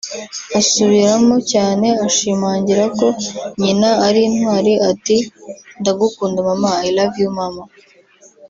" Asubiramo cyane ashimangira ko nyina ari intwari ati "Ndagukunda Mama (I love you Mama)